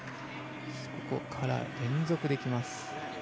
そこから連続で来ます。